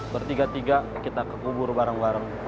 bertiga tiga kita kubur bareng bareng